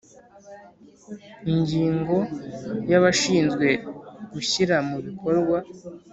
Ingingo ya abashinzwe gushyira mu bikorwa